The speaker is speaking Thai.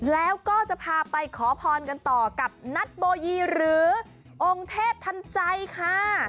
แล้วก็จะพาไปขอพรกันต่อกับนัทโบยีหรือองค์เทพทันใจค่ะ